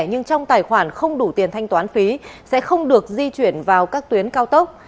nhưng trong tài khoản không đủ tiền thanh toán phí sẽ không được di chuyển vào các tuyến cao tốc